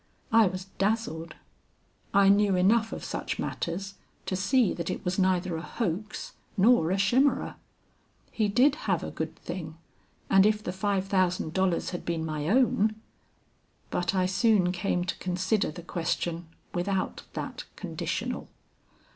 "I was dazzled. I knew enough of such matters to see that it was neither a hoax nor a chimera. He did have a good thing, and if the five thousand dollars had been my own But I soon came to consider the question without that conditional.